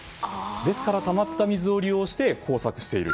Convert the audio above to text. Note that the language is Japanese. ですから、たまった水を利用して耕作している。